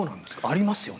ありますよね。